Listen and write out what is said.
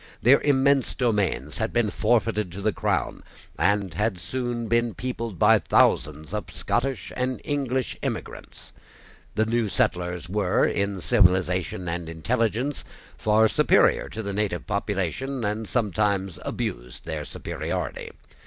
Their immense domains had been forfeited to the crown, and had soon been peopled by thousands of English and Scotch emigrants. The new settlers were, in civilisation and intelligence, far superior to the native population, and sometimes abused their superiority.